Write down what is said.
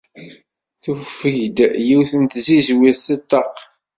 Tufeg-d yiwet n tzizwit si ṭṭaq.